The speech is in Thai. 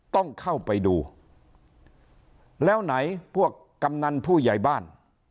ต้องเข้าไปดูแล้วไหนพวกกำนันผู้ใหญ่บ้าน